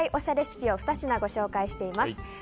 しゃレシピを２品ご紹介しています。